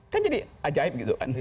kan jadi ajaib gitu